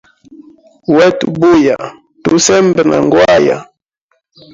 Wetu buya tusembe na ngwaya.